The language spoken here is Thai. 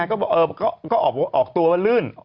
ก็ออกตัวว่าลื่น